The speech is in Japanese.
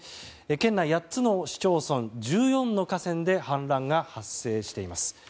県内８つの市町村、１４の河川で氾濫が発生しています。